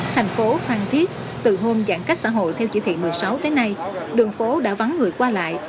thành phố phan thiết từ hôm giãn cách xã hội theo chỉ thị một mươi sáu tới nay đường phố đã vắng người qua lại